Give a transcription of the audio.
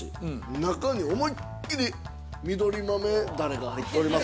◆中に思いっきり緑豆だれが入っております。